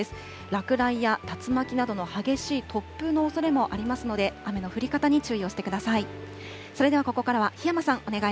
落雷や竜巻などの激しい突風のおそれもありますので、雨の降り方に注意をしてください。